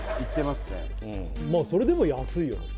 まあそれでも安いよね